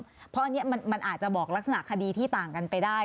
เพราะอันนี้มันอาจจะบอกลักษณะคดีที่ต่างกันไปได้